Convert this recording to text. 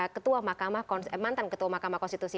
ketua makamah konstitusi